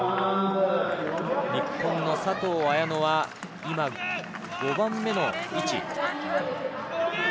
日本の佐藤綾乃は今５番目の位置。